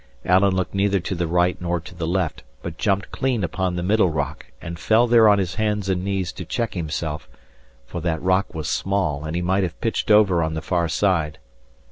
Alan looked neither to the right nor to the left, but jumped clean upon the middle rock and fell there on his hands and knees to check himself, for that rock was small and he might have pitched over on the far side.